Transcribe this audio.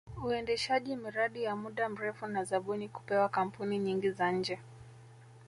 Uendeshaji miradi ya muda mrefu na zabuni kupewa kampuni nyingi za nje